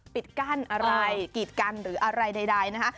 ปิดกั้นอะไรกีดกันหรืออะไรใดนะคะ